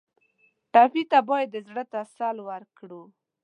ټپي ته باید د زړه تسل ورکړو.